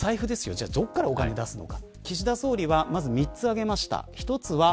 じゃあどこからお金を出すのか。